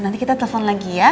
nanti kita telepon lagi ya